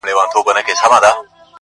د غوايی سترګي که خلاصي وي نو څه دي -